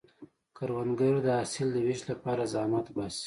کروندګر د حاصل د ویش لپاره زحمت باسي